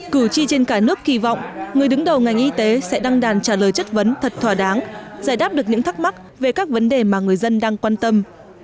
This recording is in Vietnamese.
cử tri trên cả nước kỳ vọng người đứng đầu ngành y tế sẽ đăng đàn trả lời chất vấn thật thỏa đáng giải đáp được những thắc mắc về các vấn đề mà người dân đang quan tâm